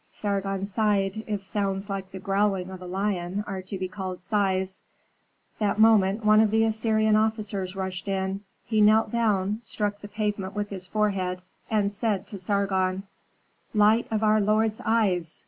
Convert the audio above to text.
'" Sargon sighed, if sounds like the growling of a lion are to be called sighs. That moment one of the Assyrian officers rushed in. He knelt down, struck the pavement with his forehead, and said to Sargon, "Light of our lord's eyes!